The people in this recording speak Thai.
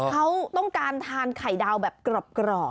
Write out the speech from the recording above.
เขาต้องการทานไข่ดาวแบบกรอบ